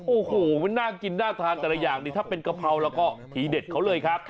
โอ้โหมันน่ากินน่าทานแต่ละอย่างนี่ถ้าเป็นกะเพราแล้วก็ทีเด็ดเขาเลยครับ